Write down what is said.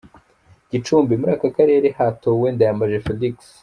Gicumbi: Muri aka karere hatowe Ndayambaje Felix.